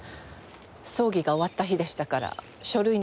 葬儀が終わった日でしたから書類の整理を。